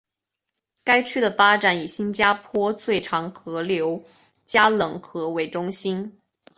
该区的发展以新加坡最长河流加冷河为中心。